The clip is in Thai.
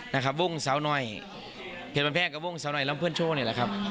นะครับวงเสาหน่อยเห็นมันแพงกับวงสาวหน่อยลำเพื่อนโชว์นี่แหละครับ